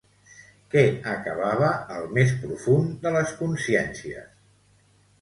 Què acabava al més profund de les consciències?